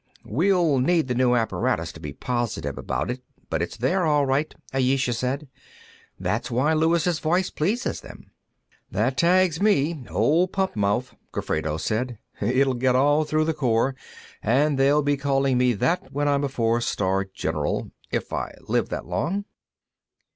"We'll need the new apparatus to be positive about it, but it's there, all right," Ayesha said. "That's why Luis' voice pleases them." "That tags me; Old Pump Mouth," Gofredo said. "It'll get all through the Corps, and they'll be calling me that when I'm a four star general, if I live that long."